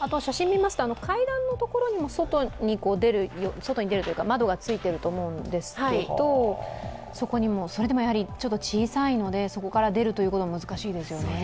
階段のところにも外に出るというか、窓がついてると思うんですけどそれでもやはりちょっと小さいので、そこから出るのは難しいですよね。